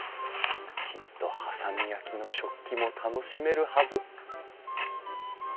きっと波佐見焼の食器も楽しめるはず！